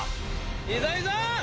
いいぞ、いいぞ。